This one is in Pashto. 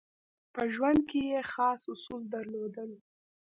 په ژوند کې یې خاص اصول درلودل.